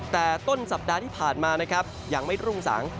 แต่ต้นสัปดาห์ที่ผ่านมานะครับยังไม่รุ่งสาง